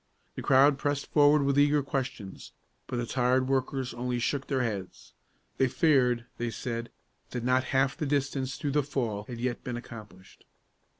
The crowd pressed forward with eager questions, but the tired workers only shook their heads. They feared, they said, that not half the distance through the fall had yet been accomplished.